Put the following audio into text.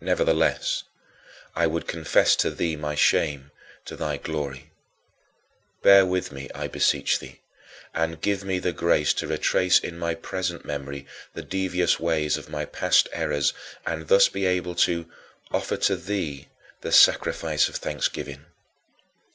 Nevertheless, I would confess to thee my shame to thy glory. Bear with me, I beseech thee, and give me the grace to retrace in my present memory the devious ways of my past errors and thus be able to "offer to thee the sacrifice of thanksgiving."